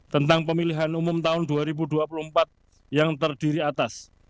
tentang pemilihan umum tahun dua ribu dua puluh empat yang terdiri atas